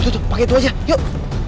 itu tuh pake itu aja yuk